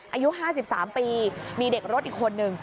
อายุ๕๓ปีมีเด็กรถอีกคนนึง